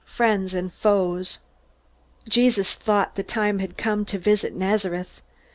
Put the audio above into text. Friends and Foes Jesus thought the time had come to visit Nazareth.